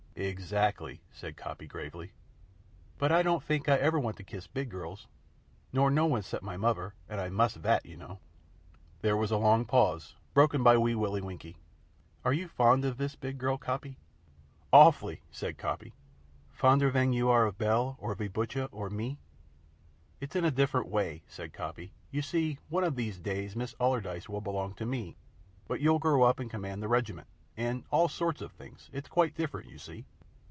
"Exactly," said Coppy, gravely. "But I don't fink I'll ever want to kiss big girls, nor no one, 'cept my muvver. And I must vat, you know." There was a long pause, broken by Wee Willie Winkie. "Are you fond of vis big girl, Coppy?" "Awfully!" said Coppy. "Fonder van you are of Bell or ve Butcha or me?" "It's in a different way," said Coppy. "You see, one of these days Miss Allardyce will belong to me, but you'll grow up and command the Regiment and all sorts of things. It's quite different, you see."